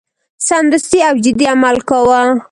سمدستي او جدي عمل کاوه.